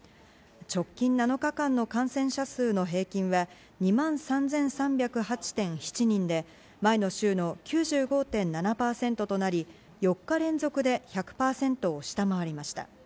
直近７日間の感染者数の平均は２万３３０８．７人で、前の週の９５．７％となり、４日連続で１００％を下回りました。